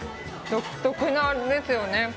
独特の味ですよね。